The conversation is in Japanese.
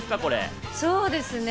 そうですね。